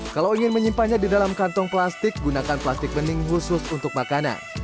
kalau ingin menyimpannya di dalam kantong plastik gunakan plastik bening khusus untuk makanan